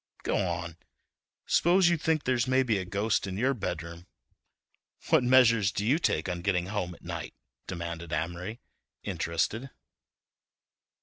"Go on, s'pose you think there's maybe a ghost in your bedroom—what measures do you take on getting home at night?" demanded Amory, interested.